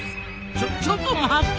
ちょちょっと待った！